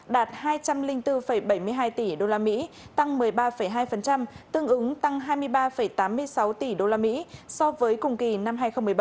đạt hai trăm linh bốn bảy mươi hai tỷ usd tăng một mươi ba hai tương ứng tăng hai mươi ba tám mươi sáu tỷ usd so với cùng kỳ năm hai nghìn một mươi bảy